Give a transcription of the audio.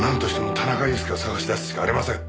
田中裕介を捜し出すしかありません。